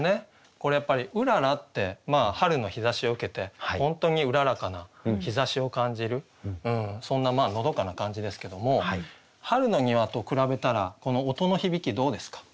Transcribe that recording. これやっぱり「うらら」って春の日ざしを受けて本当に麗かな日ざしを感じるそんなのどかな感じですけども「春の庭」と比べたらこの音の響きどうですか？